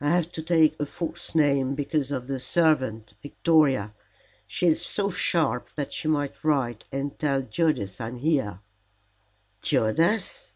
I have to take a false name because of the servant, Victoria. She is so sharp that she might write and tell Judas I am here." "Judas!"